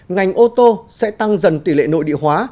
ngành ô tô sẽ tăng dần tỷ lệ nội địa hóa